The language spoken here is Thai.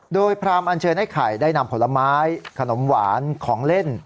โดยพรามอันเชิญไอ้ไข่ได้นำผลไม้ขนมหวานของเล่น